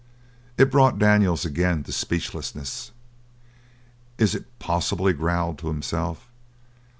It brought Daniels again to speechlessness. "Is it possible?" he growled to himself.